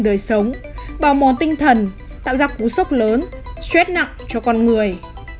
đời sống bào mòn tinh thần tạo ra cú sốc lớn stress nặng cho con người